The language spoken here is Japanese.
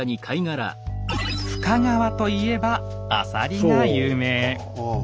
深川といえばアサリが有名。